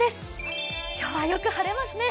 今日はよく晴れますね。